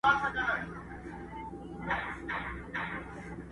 نه ټیټېږي بې احده پښتون سر دقاسمیاردی.